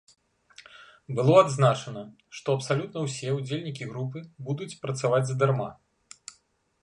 Было адзначана, што абсалютна ўсе ўдзельнікі групы будуць працаваць задарма.